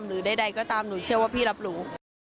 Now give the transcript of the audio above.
หรือใดก็ตามหนูเชื่อว่าพี่รับรู้